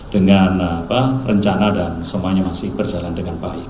dengan rencana dan semuanya masih berjalan dengan baik